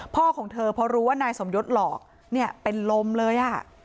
พ่อของเธอเพราะรู้ว่านายสมยศหลอกเป็นลมเลย